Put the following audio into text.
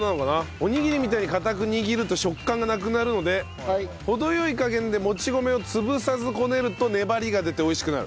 おにぎりみたいに硬く握ると食感がなくなるので程良い加減でもち米を潰さずこねると粘りが出て美味しくなる。